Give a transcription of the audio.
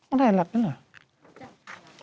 อันไทยลัดนั่นเหรอ